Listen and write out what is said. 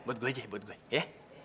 buat gue aja ya buat gue ya